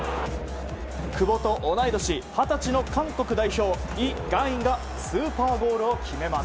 久保と同い年、二十歳のイ・ガンインがスーパーゴールを決めます。